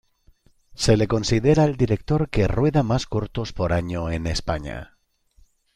Se le considera el director que rueda más cortos por año en España.